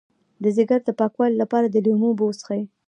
د ځیګر د پاکوالي لپاره د لیمو اوبه وڅښئ